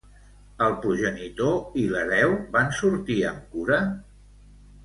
El progenitor i l'hereu van sortir amb cura?